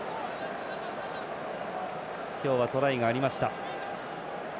今日はトライがありました。